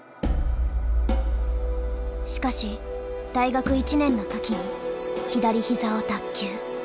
しかし大学１年の時に左膝を脱臼。